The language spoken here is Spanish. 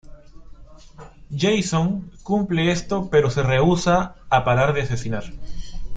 Jason cumple esto pero se rehúsa a parar de asesinar.